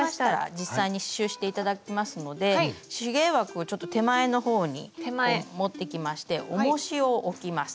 実際に刺しゅうして頂きますので手芸枠をちょっと手前のほうに持ってきましておもしを置きます。